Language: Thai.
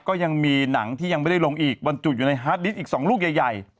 ก็ยังมีหนังที่ยังไม่ได้ลงอีกบรรจุอยู่ในฮาร์ดดิสอีก๒ลูกใหญ่